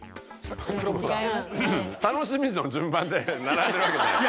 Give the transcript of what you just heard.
楽しみの順番で並んでるわけじゃない。